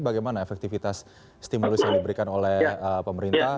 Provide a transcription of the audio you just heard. bagaimana efektivitas stimulus yang diberikan oleh pemerintah